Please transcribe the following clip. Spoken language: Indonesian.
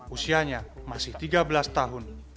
usianya masih tiga belas tahun